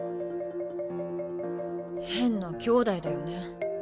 変な兄弟だよね。